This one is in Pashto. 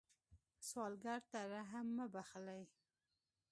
سوالګر ته رحم مه بخلئ